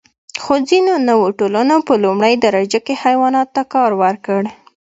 خو ځینو نوو ټولنو په لومړۍ درجه کې حیواناتو ته کار ورکړ.